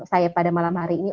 saya pada malam hari ini